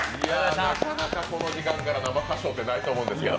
なかなかこの時間から生歌唱ってないと思うんですけど。